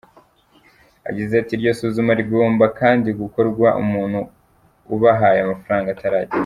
Yagize ati, "Iryo suzuma rigomba kandi gukorwa umuntu ubahaye amafaranga ataragenda.